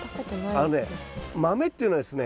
あのね豆っていうのはですね